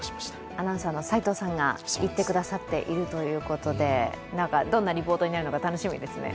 アナウンサーの齋藤さんが行ってくださっているということでどんなリポートになるのか楽しみですね。